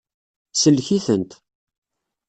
Sellek-itent.